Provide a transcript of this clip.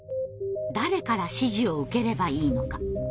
誰から指示を受ければいいのか？